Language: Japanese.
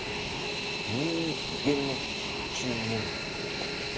人間の血を飲むって事？